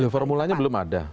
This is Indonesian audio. formulanya belum ada